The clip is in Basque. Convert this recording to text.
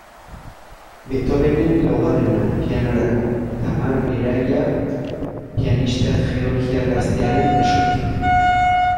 Beethovenen laugarrena, pianorako, Tamar Beraia pianista georgiar gaztearen eskutik.